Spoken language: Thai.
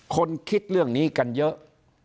คนคิดเรื่องนี้กันเยอะ